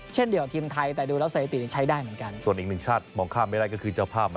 เดียวทีมไทยแต่ดูแล้วสถิติใช้ได้เหมือนกันส่วนอีกหนึ่งชาติมองข้ามไม่ได้ก็คือเจ้าภาพนะ